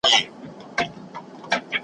چي ماښام سو غم نازل د آس بېلتون سو ,